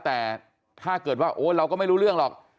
แต่ถ้าเกิดว่าโอ๊ยเราก็ไม่รู้เรื่องหรอก